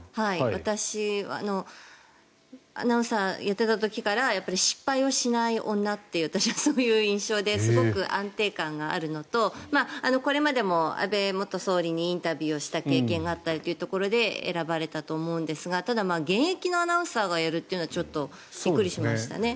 私がアナウンサーやってた時から失敗をしない女って私はそういう印象ですごく安定感があるのとこれまでも安倍元総理にインタビューをした経験があったりというところで選ばれたと思うんですがただ、現役のアナウンサーがやるというのはちょっとびっくりしましたね。